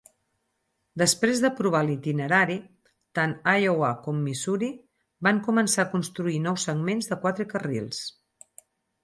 Després d'aprovar l'itinerari, tant Iowa com Missouri van començar a construir nous segments de quatre carrils.